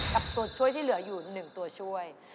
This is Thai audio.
ตัวช่วยที่เหลืออยู่๑ตัวช่วย